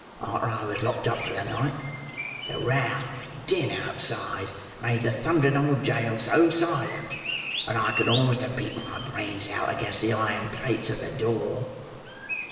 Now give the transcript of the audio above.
Arter I was locked up for the night, the row and din outside made the thundering old jail so silent, that I could almost have beat my brains out against the iron plates of the door."